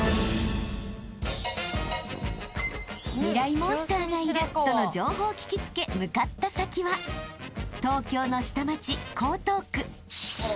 モンスターがいるとの情報を聞き付け向かった先は東京の下町］